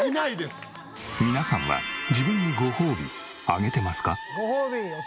皆さんは自分にごほうびあげてますか？